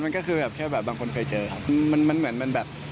มันก็คือแบบแบบบางคนเคยเจอครับ